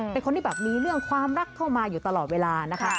เป็นคนที่แบบมีเรื่องความรักเข้ามาอยู่ตลอดเวลานะคะ